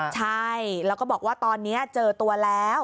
ใช่แล้วก็บอกว่าตอนนี้เจอตัวแล้ว